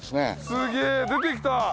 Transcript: すげえ出てきた。